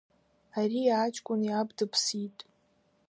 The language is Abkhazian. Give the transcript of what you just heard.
Ари аҷкәын иаб дыԥсит.